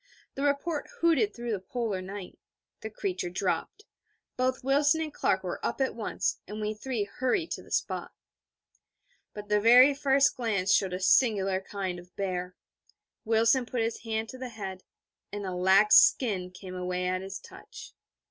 The report hooted through the Polar night. The creature dropped; both Wilson and Clark were up at once: and we three hurried to the spot. But the very first near glance showed a singular kind of bear. Wilson put his hand to the head, and a lax skin came away at his touch....